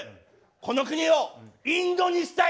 この国をインドにしたいのです！